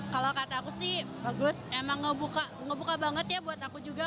kalau kata aku sih bagus emang ngebuka banget ya buat aku juga